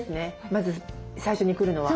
まず最初に来るのは。